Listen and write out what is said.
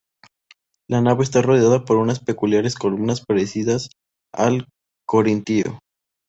La nave está rodeada por unas peculiares columnas parecidas al corintio.